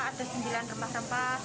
ada sembilan rempah rempah